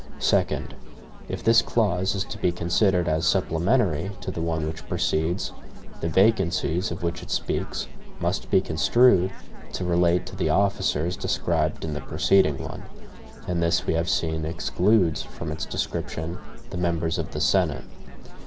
Second. If this clause is to be considered as supplementary to the one which precedes, the VACANCIES of which it speaks must be construed to relate to the "officers" described in the preceding one; and this, we have seen, excludes from its description the members of the Senate.